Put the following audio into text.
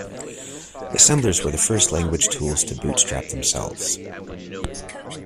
Assemblers were the first language tools to bootstrap themselves.